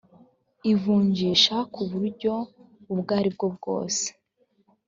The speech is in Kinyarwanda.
ivunjisha ku buryo ubwo ari bwose .